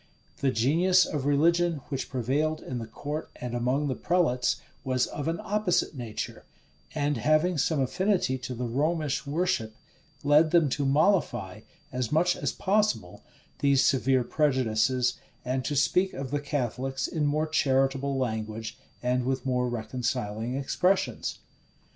The genius of religion which prevailed in the court and among the prelates, was of an opposite nature; and having some affinity to the Romish worship, led them to mollify, as much as possible, these severe prejudices, and to speak of the Catholics in more charitable language, and with more reconciling expressions.